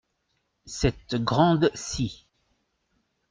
Cette grande-ci.